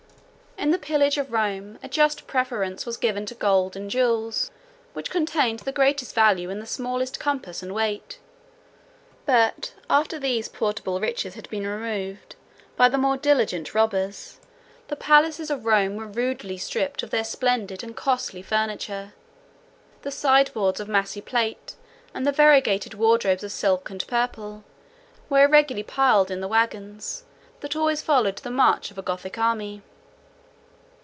In the pillage of Rome, a just preference was given to gold and jewels, which contain the greatest value in the smallest compass and weight: but, after these portable riches had been removed by the more diligent robbers, the palaces of Rome were rudely stripped of their splendid and costly furniture. The sideboards of massy plate, and the variegated wardrobes of silk and purple, were irregularly piled in the wagons, that always followed the march of a Gothic army.